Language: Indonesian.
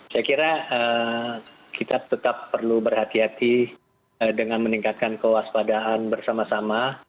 saya kira kita tetap perlu berhati hati dengan meningkatkan kewaspadaan bersama sama